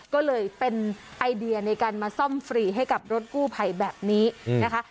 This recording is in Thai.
ก็เลยเป็นไอเดียในการมาซ่อมฟรีให้กับรถกู้ภัยแบบนี้นะคะ